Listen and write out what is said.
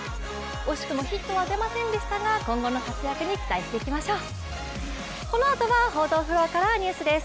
惜しくもヒットは出ませんでしたが、今後の活躍に期待していきましょう。